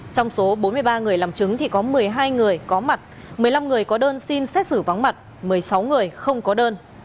trong số bốn mươi ba người làm chứng thì có một mươi hai người có mặt một mươi năm người có đơn xin xét xử vắng mặt một mươi sáu người không có đơn